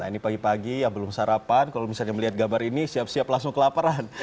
ini pagi pagi yang belum sarapan kalau misalnya melihat gambar ini siap siap langsung kelaparan